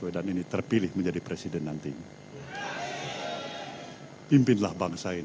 daripada yang baik baik